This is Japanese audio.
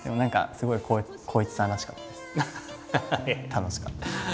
楽しかったです。